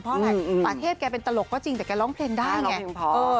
เพราะอะไรป่าเทพแกเป็นตลกก็จริงแต่แกร้องเพลงได้ไง